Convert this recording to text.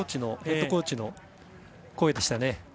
ヘッドコーチの声でした。